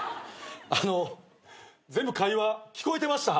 あの全部会話聞こえてました！